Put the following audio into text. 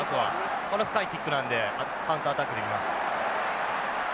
この深いキックなのでカウンターアタックできます。